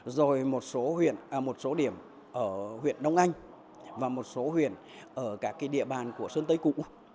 rồi một số điểm ở huyện đông anh và một số huyện ở các địa bàn của sơn tây cụ